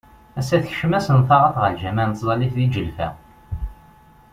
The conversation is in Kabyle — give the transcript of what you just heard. Assa tekcem-asen taɣaṭ ɣer lǧameɛ n tẓallit deg Ǧelfa.